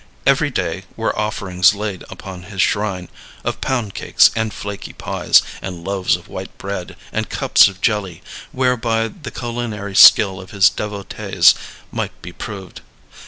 Every day were offerings laid upon his shrine, of pound cakes and flaky pies, and loaves of white bread, and cups of jelly, whereby the culinary skill of his devotees might be proved.